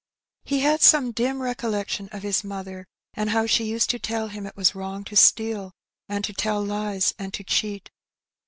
He had some dim recollection of his mother^ and how she used to tell him it was wrong to steal, and to tell lies, and to cheat.